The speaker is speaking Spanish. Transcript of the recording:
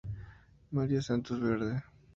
María Santos Verde.